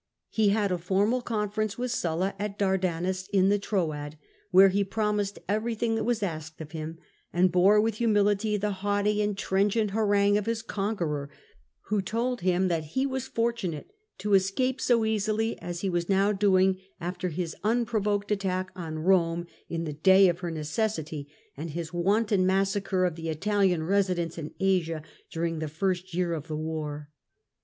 He had a formal conference with Sulla at Dardanus in the Troad, where he promised everything that was asked of him, and bore with humility the haughty and trenchant harangue of his conqueror, who told him that he was fortunate to ©scape so easily as he was now doing, after his unprovoked attack on Koine in the day of her necessity, and his wanton massacre of the Italian residents in Asia during the first year of the war.